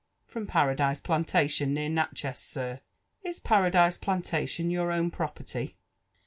^' From Paradise Plantation, near Natchez, sir/' *' Is Paradise Plantation your own property?"